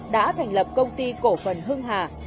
đã thành lập công ty cổ phần hưng hà